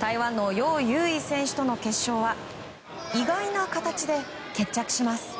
台湾のヨウ・ユウイ選手との決勝は意外な形で決着します。